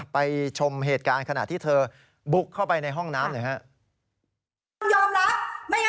ไปชมเหตุการณ์ขณะที่เธอบุกเข้าไปในห้องน้ำหน่อยครับ